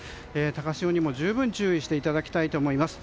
高潮にも十分注意していただきたいと思います。